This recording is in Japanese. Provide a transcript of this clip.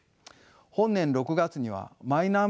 本年６月にはマイナンバーの改正